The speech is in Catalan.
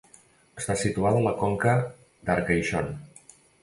Està situada a la conca d'Arcaishon.